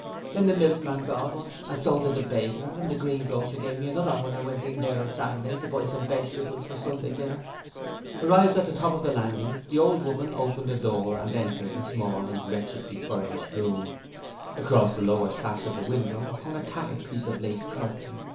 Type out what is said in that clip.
'Then the milkman brought one, and so did the baker, and the greengrocer give me another when I went in there on Saturday to buy some vegetables for Sunday dinner.' Arrived at the top landing the old woman opened a door and entered a small and wretchedly furnished room. Across the lower sash of the window hung a tattered piece of lace curtain.